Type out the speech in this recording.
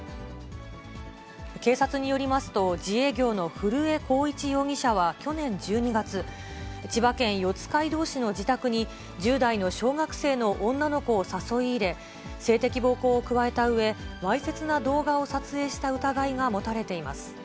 警察によりますと、自営業の古江幸一容疑者は、去年１２月、千葉県四街道市の自宅に１０代の小学生の女の子を誘い入れ、性的暴行を加えたうえ、わいせつな動画を撮影した疑いが持たれています。